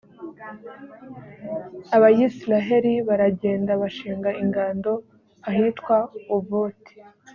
abayisraheli baragenda bashinga ingando ahitwa ovoti.